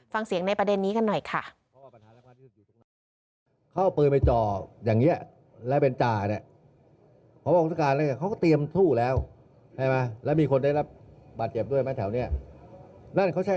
ฟังเสียงในประเด็นนี้กันหน่อยค่ะ